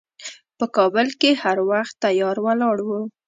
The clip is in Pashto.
په کابل کې هر وخت تیار ولاړ و.